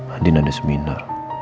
andin ada seminar